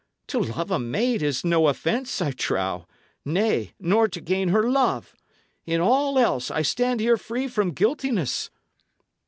To love a maid is no offence, I trow nay, nor to gain her love. In all else, I stand here free from guiltiness."